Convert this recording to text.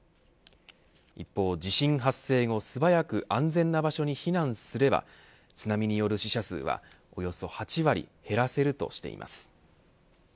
一方、地震発生後、素早く安全な場所に避難すれば津波による死者数はおよそ８割減らせるとしています。